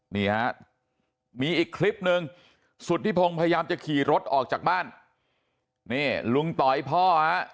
นี่ฮะมีอีกคลิปนึงสุธิพงศ์พยายามจะขี่รถออกจากบ้านนี่ลุงต่อยพ่อฮะ